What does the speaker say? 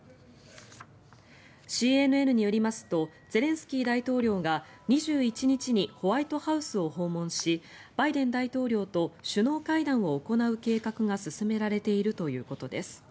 ＣＮＮによりますとゼレンスキー大統領が２１日にホワイトハウスを訪問しバイデン大統領と首脳会談を行う計画が進められているということです。